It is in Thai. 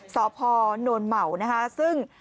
สพนเหมาซึ่ง